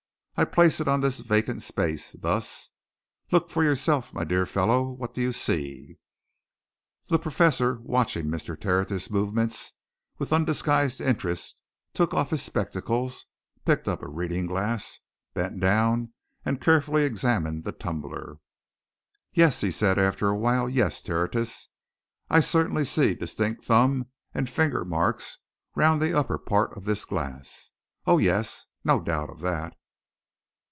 I place it on this vacant space thus. Look for yourself, my dear fellow. What do you see?" The Professor, watching Mr. Tertius's movements with undisguised interest, took off his spectacles, picked up a reading glass, bent down and carefully examined the tumbler. "Yes," he said, after a while, "yes, Tertius, I certainly see distinct thumb and finger marks round the upper part of this glass. Oh, yes no doubt of that!"